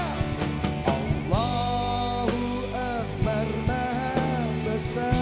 allahu akbar maha besar